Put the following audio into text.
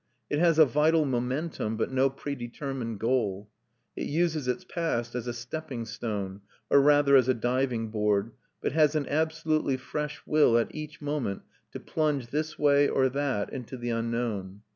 It has a vital momentum, but no predetermined goal. It uses its past as a stepping stone, or rather as a diving board, but has an absolutely fresh will at each moment to plunge this way or that into the unknown.